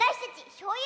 しょうゆ！